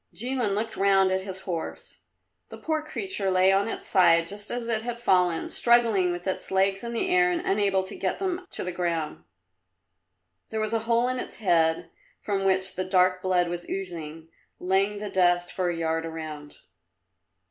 Jilin looked round at his horse. The poor creature lay on its side just as it had fallen, struggling with its legs in the air and unable to get them to the ground. There was a hole in its head from which the dark blood was oozing, laying the dust for a yard around.